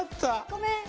ごめん。